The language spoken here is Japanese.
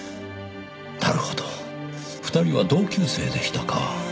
なるほど２人は同級生でしたか。